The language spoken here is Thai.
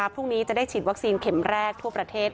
พรุ่งนี้จะได้ฉีดวัคซีนเข็มแรกทั่วประเทศ